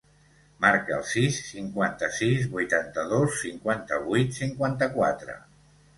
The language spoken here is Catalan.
Marca el sis, cinquanta-sis, vuitanta-dos, cinquanta-vuit, cinquanta-quatre.